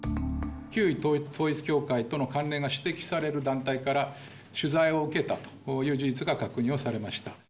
旧統一教会との関連が指摘される団体から、取材を受けたという事実が確認をされました。